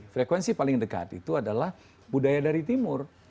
frekuensi paling dekat itu adalah budaya dari timur